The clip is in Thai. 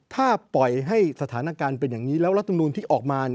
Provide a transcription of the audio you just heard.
ถ้าปล่อยให้สถานการณ์เป็นอย่างนี้แล้วรัฐมนูลที่ออกมา